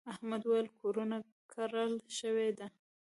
احمد وويل: کورونه کرل شوي دي.